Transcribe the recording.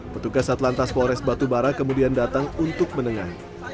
petugas atlantas polres batubara kemudian datang untuk menengah